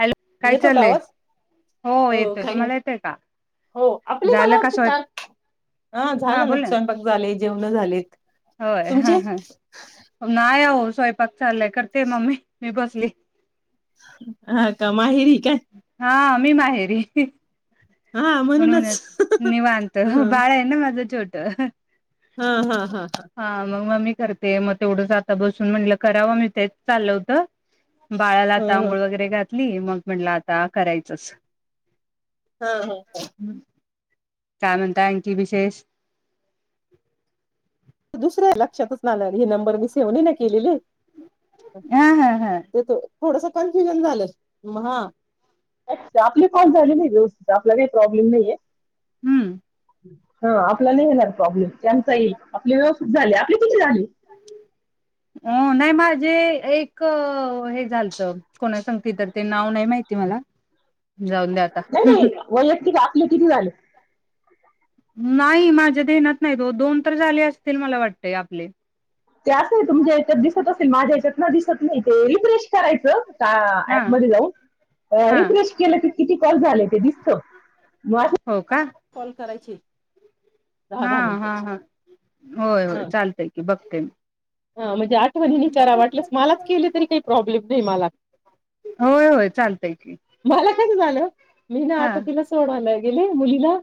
Hello काय येतो का चाललंय आवाज? हो येतोय काय नाही. तुम्हाला येतोय का हो आपली मला झालं का वाटते स्वयं चार, आं हा झालं ना बोल स्वयंपाक झाले जेवणं झालेत. होय हा तुमचे? हा नाही हो स्वयंपाक चाललाय करते मम्मी मी बसलीये. हा का माही हा मी माहेरी हा म्हणूनच म्हणूनच निवांत ह बाळ आहे ना माझं छोटं [inaudible] हा हा हा मग मम्मी करते मग तेवढेच आता बसून म्हटलं करावं मी तेच चाललं होतं. बाळाला आता हम्म. आंघोळ वगैरे घातली. मी मग म्हटलं आता करायचंच. हा हा हा काय म्हणताय आणखी विशेष दुसरा आहे लक्षातच राहिना हे नंबर मी सेव नाही केलेले. हा हा हा थोडसं कन्फ्युजन झालं मग हा, आपली पाच झालेली आहेत. आपला काही प्रॉब्लेम नाही आहे. हम्म हं आपला नाही येणार प्रॉब्लेम. त्यांचा येइल आपली व्यवस्थित झाल्या [inaudible] ते एक हे झालतं कोणा संगतीतरी ते नाव नाही माहिती मला जाऊन द्या आता वयक्तिक आ तुला किती झाले हम्म नाही माझ्या ध्यानात नाही दो दोन तरी झाले असतील मला वाटतंय आपले. ते असं आहे तुमच्या याच्यात दिसत असेल माझ्या याच्यात ना दिसत नाही ते रिफ्रेश करायचं आ हा ॲपमध्ये जाऊन हा रिफ्रेश केलं की किती कॉल झाले ते दिसतं, म अशी हो का कॉल करायची हा हा हा होय होय चालतंय की बघते मी हा म्हणजे आठवणीने करा वाटल्यास मलाच केले तरी काही प्रॉब्लेम नाई मला, होय होय चालतय की मला कसं झालं मी ना हा आता तिला सोडवायला गेले मुलीला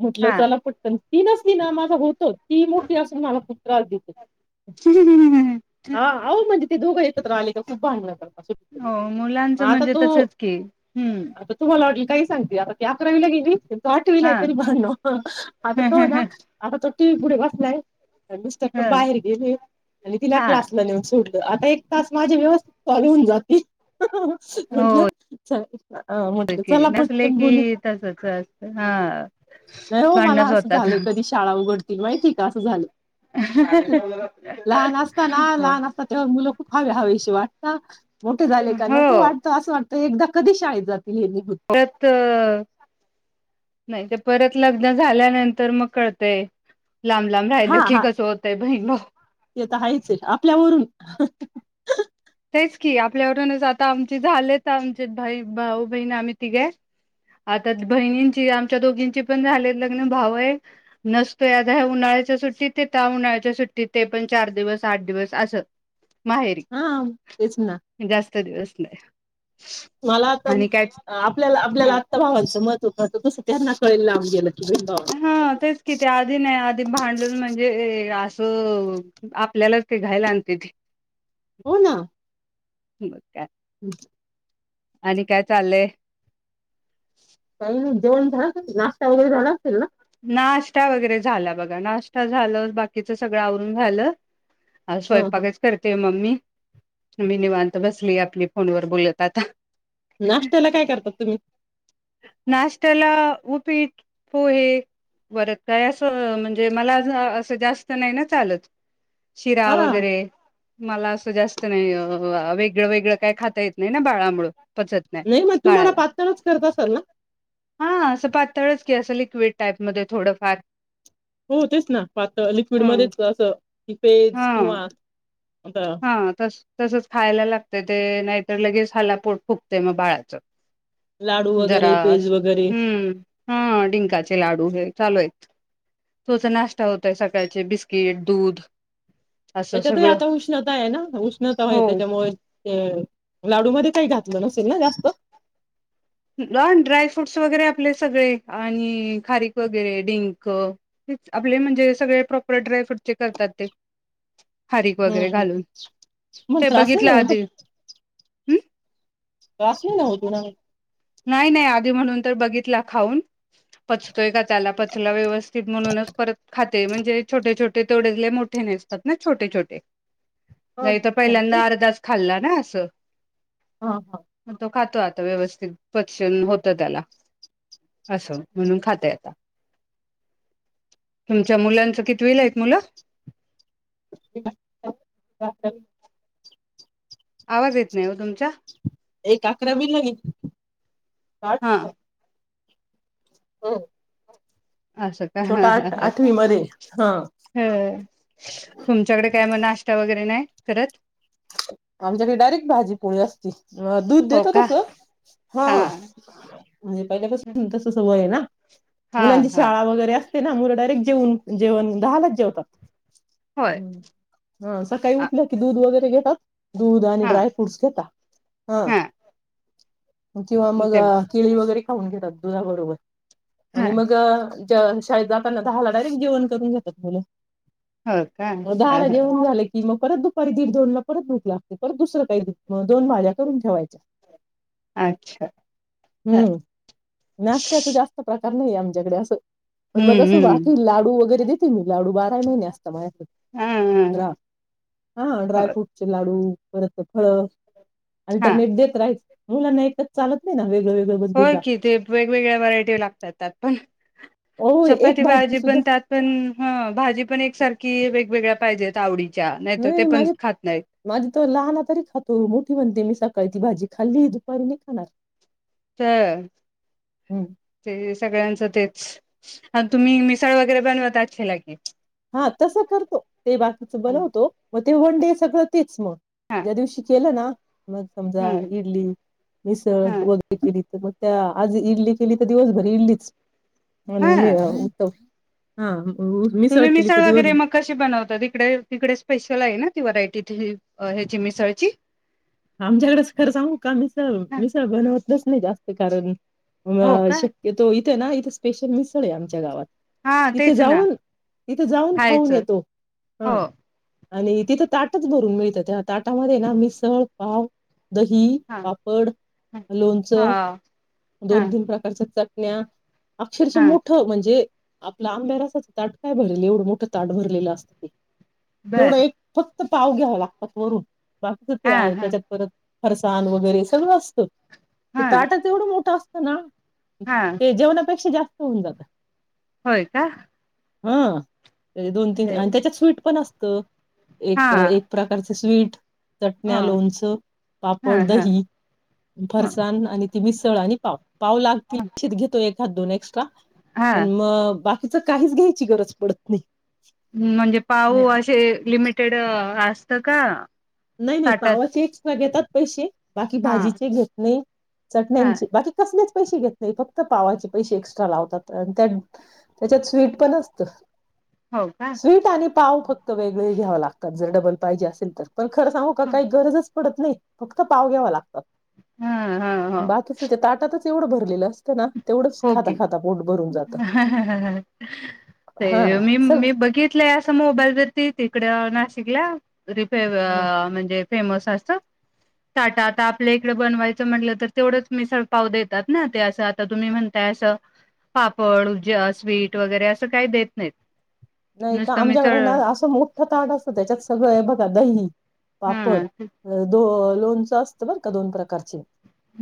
म्हटलं हा चला पटकन ती नसली ना माझा होतो. ती मोठी असून मला खूप त्रास देती. हा आओ म्हणजे ते दोघं एकत्र आळे का खूप भांडणं कर हो मुलाचं म्हणजे तसच की, हूं आता तुम्हाला वाटलं काही सांगती आता ती अकरावीला गेली. तोत आठवीलाय हा तरी भांडण हां आता तो ना ह आता तो टी व्ही पुढ बसलाय मिस्टर पण बाहेर गेले... आणि तिला हा क्लासला नेऊन सो.. सोडलं आता एक तास माझी व्यवस्थित कॉल होऊन जातील. हं हं हो म्हटलं च अ म्हटलं चला नसले पटकन की बोलू तसच असत हा नाही ओ मला भांडणच अस होतात झालंय कधी शाळा उघडतील माहितेय....... आसं झालं..... [inaudible] लहान असताना हो. लहान असतात तेंव्हा मुलं खूप हवी हवी.... [unintelligible] मोठी झाली का नको हो वाटतं असं वाटत एकदा.... कधी शाळेत जाती? [unintelligible] नाही ते परत लग्न झाल्यानंतर मग कळतंय हा हा ते तर आहेच आपल्या वरून तेचं की आपल्या वरून आता आमचं झालेत आमचं भाऊ बहिण आम्ही तिघ हाय आता बहिणींची आमच्या दोघींची पण झालेत लग्न भाऊ आहे नसतोय आता उन्हाळ्याच्या सुट्टीत त्या उन्हाळ्याच्या सुट्टीत ते पण चार दिवस आठ दिवस अस हा तेचं ना [unintelligible] मला आता आणि काय आपल्याला हा आपल्याला आता भावांच महत्त्व महत्त्व तस त्यांना कळेल [unintelligible] हम भावांच तेचं की ते आधी नाही आधी भांडण म्हणजे असं हम आपल्यालाच ते घाईला आणत्याती. हो ना मग काय [inaudible] आणि काय चाललय काही नाही जेवण झालं का तुझं, नाष्टा वगैरे झाला असेल ना. नाश्ता वगैरे झाला बघा, नाश्ता झालं बाकीचं सगळं आवरून झालं. अ ह ह स्वयंपाकच करतेय मम्मी मी निवांत बसली आपली फोनवर बोलत आता नाश्त्याला काय करतात तुम्ही उपिट, पोहे बर काय असं म्हणजे मला असं जास्त नाही ना चालत. शिरा हा वगैरे मला असं जास्त नाही वेगळं-वेगळं काय खाता येत नाही ना बाळामूळं नाही मग तुम्हाला पातळच करत असाल ना. हा असं पातळच की असं लिक्विड टाईपमध्ये थोडं फार हो होतेच ना पातळ लिक्विडमध्येच असं पेज हा किंवा आता हा तसं तसच खायला लागते ते नाहीतर लगेच ह्याला पोट फुकते मग बाळाचं लाडू वगैरे पेज जरास वगैरे हम्म हा डिंकाचे लाडू हे चालू आहेत. तोच नाश्ता होतय सकाळचे बिस्किट, दूध असं त्याच्यात सगळं आता उष्ण आहे ना उष्णता होय हो त्याच्यामुळे लाडूमध्ये काही घातलं नसेल ना जास्त ड्रायफ्रूट्स वगैरे आपले सगळे आणि खारीक वगैरे डिंक आपले म्हणजे सगळे प्रॉपर ड्रायफ्रूटचे करतात ते खारीक वगैरे हम्म घालून मग ते त्रास नाही बघितलं ना होतो आधी हम्म [unintelligible] नाही नाही आधी म्हणून तर बघितला खाऊन पचतोय का त्याला पचला व्यवस्थित म्हणूनच परत खाते म्हणजे छोटे छोटे तेवढे मोठे नेसतात ना छोटे छोटे नाही तर पहिल्यांदा अर्धाच खाल्लात. ना असं हां हअ्ं मग तो खातो आता व्यवस्थित. पचन होत त्याला. असं म्हणून खाताय आता तुमच्या मुलांचं कितीवीला आहेत मुलं [inaudible] आवाज येत नाही हो तुमचा. एक अकरावी मध्ये हा [unintelligible] हो. असं का ह ह ह मध्ये हा हं तुमच्याकडे काय मग नाश्ता वगैरे नाही? खत [unintelligible] आमच्याकडे डायरेक्ट भाजी पोळी असती अ दूध हो देता का तस हा म्हणजे पहिल्यापासून तस सवय ना हा मुलांची हा शाळा वगैरे ते ना मुलं डायरेक्ट जेऊन जेवण दहालाच जेवतात. होय हम्म हा सकाळी उठलं कि दूध वगैरे घेत दूध आणि हा ड्रायफ्रूट्स घेता हा हं किंवा मग ते केळी वगैरे खाऊन घेतात. तुझ बरोबर हा आणि मग शाळेत जातांना दहाला डायरेक्ट जेवण करून घेतात मुलं हो का मग हा दहाला हा जेवण झालं की मग परत दु तरी दीड दोन ला परत भूख लागते परत दुसरं काही दुख म दोन भाज्या करून ठेवायच्या, अच्छा हा हम्म नाश्त्याचे जास्त प्रकार नाही आमच्याकडे असं पण मग हम्म तस हम्म बाकी लाडू वगैरे दे त [unintelligible] लाडू बारा महिने असत मस्त हा ड्रा हा हो ड्रायफ्रूट लाडू परत फळं. हा अल्टरनेट देत राहाच मुलांना एकच चालत नाही ना वेगळं वेगळं बदलून होय कि ते वेगवेगळ्या व्हरायटी लागतात त्यात पण हो एक चपाती भाजी पण सुद्धा त्यात पण हं भाजी पण एकसारखी वेगवेगळ्या पाहिजेत आवडी नाही माझे माझे तो लहाना तरी खातो मो ती म्हणते मी सकाळी ती भाजी खाल्ली दुपारी नाई खाणार. तर ते सगळ्यांचं ते आण तुम्ही मिसाळ वगैरे बनवत अच्छीला की, हा तसं करतो. ते बाकीच बनवतो. व वन डे सगळं तेच मग हा ज्या दिवशी केलं ना मग समजा हम्म इडली मिसळ हा [unintelligible] केली त मग त्या आज इडली केली तर दिवसभर इडलीच आणि म हा [inaudible] हा ह हो मिसळ तुम्ही तर दिवस वगैरे मग कशी बनवतात इकडे तिकडे स्पेशल आहे ना? ती व्हरायटी ती ही हेची मिसळची आमच्याकडच खरं सांगू का मिसळ हां, मिसळ बनवत [unintelligible] जास्त कारण व हो का शक्यतो इथे ना इथेच स्पेशल मिसळ आहे आमच्या गावात. हा इथ तेच ना जाऊन इथ जाऊन खाऊन खायचं येतो हो हा आणि तिथं ताटच भरून मिळतं त्या ताटामध्ये मिसळ पाव.... दही हा पापड लोणचं हा हा दोन तीन प्रकारच्या चट..... [inaudible] अक्षरशः हा मोठ म्हणजे आपल आमरसाच ताट काय भरले एवढं मोठं ताट भरलेलं असतं ते...... तेवढं बर एक फक् पाव घ्यावं लागतात वरून... बाकी तर ते हा हा आहे... फरसान वगैरे सगळं असतं ते हा ताटा तेवढं मोठं अस ना हा ते जेवणापेक्षा जास् होऊन जात होय का? हं दोन तीन आणि बर त्याच्यात स्वीट पण अस ते हा एक एक प्रकारचं स्वीट ह चटण्या लोणच च ह पापड, ह दही, ह फरसाण आणि ती मिसळ आणि पाव. पाव लागतील [unintelligible] घेतेत हा दोनेक्स का हा पण मग बा [unintelligible] काहीच घ्यायची गरज पडत नाही म्हणजे पाऊ अशे लिमिट टेड असत का? नाही नाही ताटात पावाचे एक्स्ट्रा घेतात पैशे बाकी हा भाजीचे घेत नई हा चटण्यांचे बाकी कसलेच? पैशे घेत नाही, फक्त पावाचे पैसे एक्स्ट्रा लावतात आणि त्या त्याच्यात स्वीट पण असतं हो का स्वीट आणि पाव फक्त वेगळे घ्याव लागतात, जर डबल पाहिजे असेल तर पण खरं सांगू का काही गरजच पडत नाही फक्त पाव घ्यावा लागत हा हा हो बाकीच ते ताटातच तेवढं भरलेलं असतं ना तेवढंच हो खाता की खाता पोट भरून जातं ह ह ते हा मी सग मी बघितल अस मोबाईलवरती तिकड नाशिकला रिपे अव म्हणजे फेमस असं टाटा आता आपल्या इकडे बनवायचं म्हटलं तर तेवढंच मिसळ पाव देतात ना, ते असं आता तुम्ही म्हण असं पापड उजा स्वीट वगैरे असं काही देत नाहीत नाही का नुसतं आमच्याकडे मिसळ ना असं मोठं ताट असतं त्याच्यात सगळं बघा दही हा पापड दोन लोणचं असतं बर का दोन प्रकारचे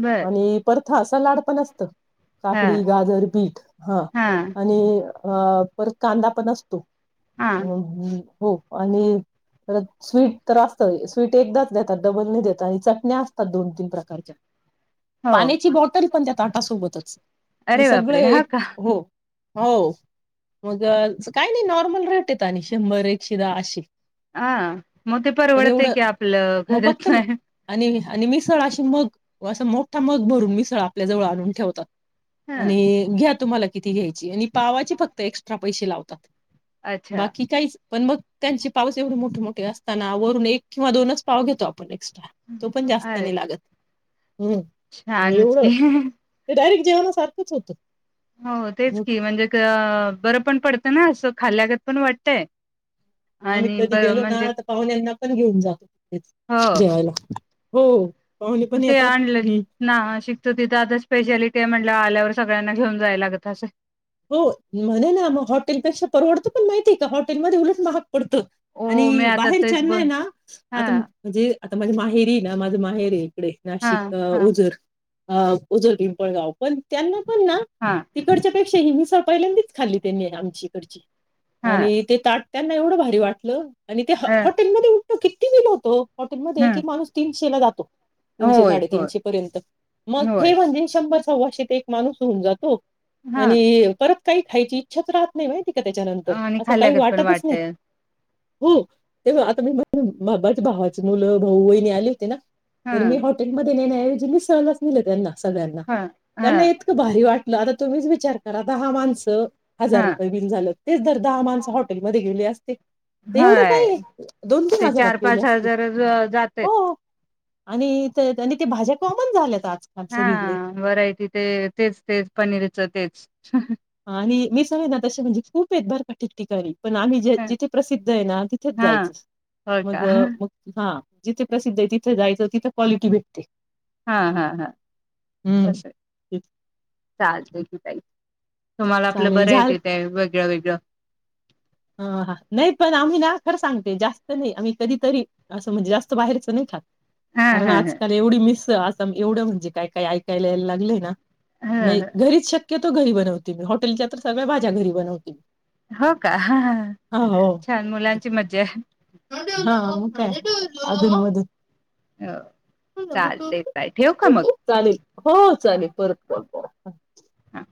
बर आणि परत हा सलाड पण असतं. हा काकडी, गाजर, बीट हा आणि आ परत कांदा पण असतो. हा [inaudible] [inaudible] हो आणि परत स्वीट तर असत स्वीट एकदाच देतात डबल नाही देतात आणि चटण्या असतात दोन तीन प्रकारच्या हो पाण्याची बॉटल पण त्या ताटासोबतच अरे बापरे सगळे हा एक का हो हो मग काही नाही नॉर्मल रेट येत आणि शंभर एकशे दहा अशे हा मग ते पण परवडतय एवढं की आपलं मग फक्त घरात नाही. आणि आणि मिसळ अशी मग असं मोठा मग भरून मिसळ आपल्याजवळ आणून ठेवतात. ह आणि घ्या तुम्हाला किती घ्यायची आणि पावाची फक्त एक्स्ट्रा पैसे लावतात. [unintelligible] अच्छा बाकी काहीच पण मग त्यांची पावच एवढे मोठे मोठे असताना वरून एक किंवा दोनच पाव घेतो आपण एक्स्ट्रा तो पण जास्त अरे नाही लागत. हम्म छानच एवढं की ते डायरेक्ट जेवन सारखंच होत. हो तेच की म्हणजे त बरं पण पडतं ना खाल्ल्यागत पण वाटतय आम्ही आणि ब कधी गेलो ना म्हणजे आ तर पाहुण्या यांना पण घेऊन जातो हो जेवायला हो पाहुणे पण ते येतात. आणलंय हं नाव नाशिकचं त्यातच स्पेशलिटी आहे म्ह ला आल्यावर सगळ्यांना घेऊन जायला लागत असंल. हो म्हणे ना मग हॉटेलपेक्षा परवडतो पण माहितीय का हॉटेलमध्ये उलट महाग पडतोत हो मी आणि आता तेच बाहेरच्यानां बघ आहे ना हा आता म्हणजे आता माझ्या माहेरी ना माझं माहेर हे इकडे हा नाशिक हा ओजर हा ओझर पिंपळगाव. पण त्यांना पण ना हा तिकडच्या पेक्षा मिसळ पाहिल्यांदीच खाल्ली त्यांनी आमची इकडची....... हा आणि ते ताट.... त्यांना एवढं भारी वाटलं... आणि ते अ हॉ-हॉटेलमध्ये.. किती विल होतो? हॉटेलमध्ये ह एक एक माणूस तीन....... [unintelligible] जातो तीनशे होय होय साडेतीनशे पर्यंत मग होय हे म्हणजे शंभर..... वर्षात एक माणूस होऊन जातो..... हा आणि परत...... काही खायची इच्छाच राहत नाही.. [unintelligible] त्याच्यानंतर आणि असं काही खाल्ल्यागत पण वाटतच नाही. वाटेल हो ते आता म्हणेन बाबा भावाचे मुलं भाऊ वहिणी आले होते ना. हा तर मी हॉटेलमध्ये गेले. ते जींनी सहज दिले त्यांना सगळ्यांना हा हा त्यांना इतकं भारी वाट दादा तुम्हीच वि विचार करा दहा माणसं हा हजार रुपये बिल झालं तेच जर दहा माणस हॉटेमध्ये गेले असत. ते एवढे हय ताई दोन तीन ते हजारात चार गेले पाच असते हजार जातेत हो. आणि ते आणि ते भाज्या कॉमन झाल्यात. आजकाल हा सगळीकडे. व्हरायटी ते तेच तेच पनीरचं तेच ह ह आणि विसावे ना तसे म्हणजे खूप आहेत बर का ठिकठिकाणी. पण आम्ही जे जिथे प्रसिद्ध आहे ना तिथेच हा जायचं होय मग का मग हा. जिथे प्रसिद्ध आहे तिथे जायचं तिथे क्वालिटी भेटते. हा हा हा हम्म. असंय चालतय की ताई तुम्हाला आपल्या चालेल बरयं झाल तिथं हाय वेगळ्या वेग त्या ह हा नाही पण आम्ही ना खरं सांगते जास्त नाही आम्ही कधीतरी असं म्हणजे जास्त बाहेरच नाही खात. हा कारण हा ह आजकाल एवढी मिस [unintelligible] असं एवढं म्हणजे काय काय ऐकायला यायला लागलंय ना नाही ह घरीच शक्य तो घरी बनवते मी हॉटेलच्या तर सगळ्या भाज्या घरी बनवते. हो का हा हो छान मुलांची मज्जा आहे. हा मग काय आधून मधून अ [unintelligible] चालेल हो हा चालेल परत कॉल करा. हा